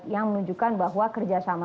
yang menunjukkan bahwa kerjasama